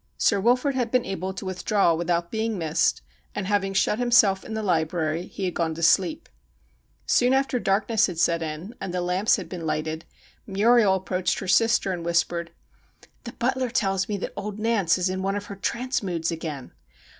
Sir Wilfrid had been able to withdraw without being missed, and having shut himself in the library he had gone to sleep. Soon after darkness had set in, and the lamps had been lighted, Muriel approached her sister, and whispered :' The butler tells me that old Nance is in one of her trance moods again.